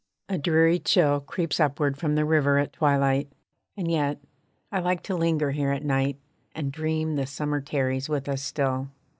A dreary chill Creeps upward from the river at twilight, And yet, I like to linger here at night, And dream the summer tarries with us still.